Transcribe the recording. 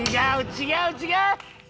違う違う！